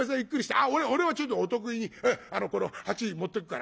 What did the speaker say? ああ俺はちょっとお得意にこの鉢持ってくから。